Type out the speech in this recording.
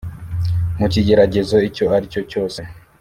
Mu kigeragezo icyo aricyo cyose